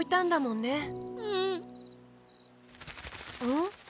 うん？